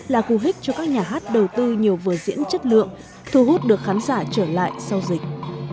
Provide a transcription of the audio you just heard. là cú hích cho các nhà hát đầu tư nhiều vở diễn chất lượng thu hút được khán giả trở lại sau dịch